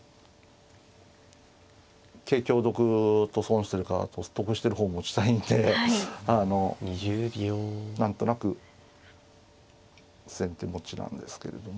桂香得と損してるから得してる方持ちたいんで何となく先手持ちなんですけれども。